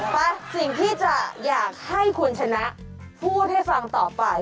ไปสิ่งที่จะอยากให้คุณชนะพูดให้ฟังต่อไป